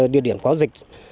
địa điểm có dịch